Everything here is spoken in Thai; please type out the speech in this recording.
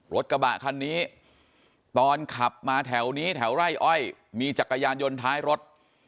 รถกระบะคันนี้ตอนขับมาแถวนี้แถวไร่อ้อยมีจักรยานยนต์ท้ายรถ